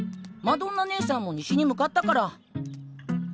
マドンナねえさんも西に向かったから。